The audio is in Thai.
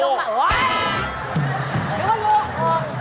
เห็นไหมว่าโรคทอง